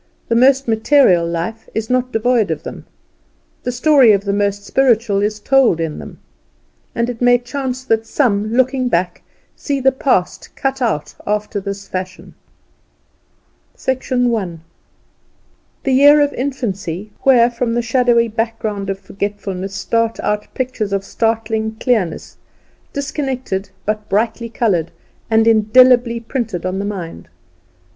The most material life is not devoid of them; the story of the most spiritual is told in them. And it may chance that some, looking back, see the past cut out after this fashion: I. The year of infancy, where from the shadowy background of forgetfulness start out pictures of startling clearness, disconnected, but brightly coloured, and indelibly printed in the mind.